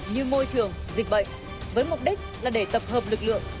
như môi trường dịch bệnh với mục đích là để tập hợp lực lượng